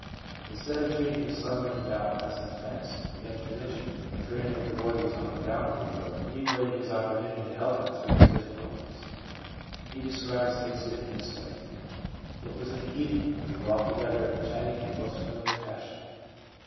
Instead of treating the slumbering doubt as an offence against religion, and fearing that the boy was on the downward road, he awaited his opportunity to help him through his difficulties. He describes the incident in this way: 1 It was in the evening. We walked together chatting in most familiar fashion.